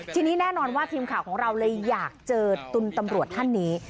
ทีนี้แน่นอนว่าทีมข่าวของเราเลยอยากเจอตุลตำรวจท่านนี้